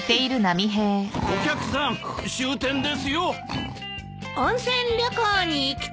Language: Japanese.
お客さん終点ですよ。